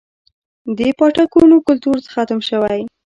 د پاټکونو کلتور ختم شوی